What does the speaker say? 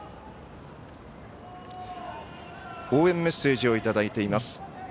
応援メッセージをいただいています。